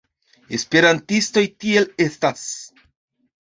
Esperantistoj tiel estas.